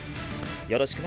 よろしくな。